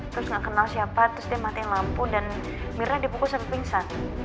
terus gak kenal siapa terus dia matiin lampu dan mirna dibukul sama pingsan